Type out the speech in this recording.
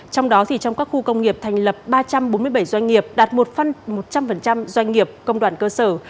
trong đó trong các khu công nghiệp thành lập ba trăm bốn mươi bảy doanh nghiệp đạt một trăm linh doanh nghiệp công đoàn cơ sở